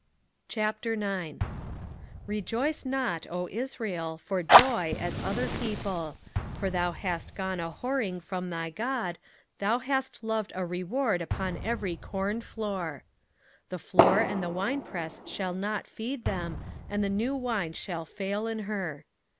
9:1 Rejoice not, O Israel, for joy, as other people: for thou hast gone a whoring from thy God, thou hast loved a reward upon every cornfloor. 9:2 The floor and the winepress shall not feed them, and the new wine shall fail in her.